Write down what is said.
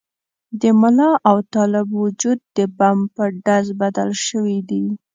د ملا او طالب وجود د بم په ډز بدل شوي دي.